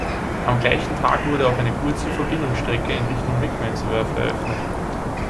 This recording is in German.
Am gleichen Tag wurde auch eine kurze Verbindungsstrecke in Richtung Rickmansworth eröffnet.